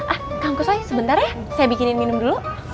ah kang kusoi sebentar ya saya bikinin minum dulu